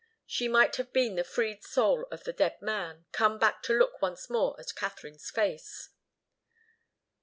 She might have been the freed soul of the dead man, come back to look once more at Katharine's face.